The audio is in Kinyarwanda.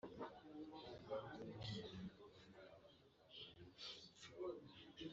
mu kinyejana cya bwabaga bwihariye kandi zheng he yari afite